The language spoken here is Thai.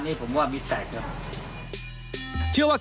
เตรียมป้องกันแชมป์ที่ไทยรัฐไฟล์นี้โดยเฉพาะ